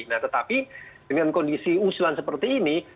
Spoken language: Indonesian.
nah tetapi dengan kondisi usulan seperti ini